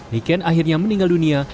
niken akhirnya meninggal dunia